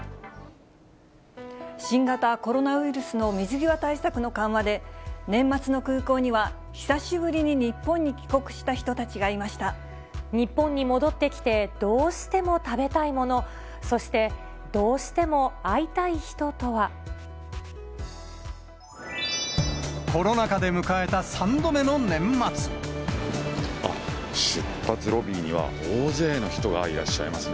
新型コロナウイルスの水際対策の緩和で、年末の空港には、久しぶりに日本に帰国した人たち日本に戻ってきてどうしても食べたいもの、そして、どうしても会いたい人とは。コロナ禍で迎えた３度目の年あっ、出発ロビーには大勢の人がいらっしゃいますね。